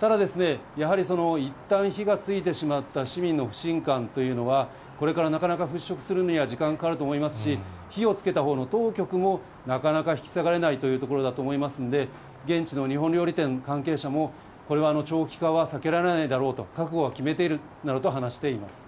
ただ、やはりいったん火がついてしまった市民の不信感というのは、これからなかなか払拭するには時間がかかると思いますし、火をつけたほうの当局も、なかなか引き下がれないというところだと思いますんで、現地の日本料理店の関係者も、これは長期化は避けられないだろうと、覚悟は決めているなどと話しています。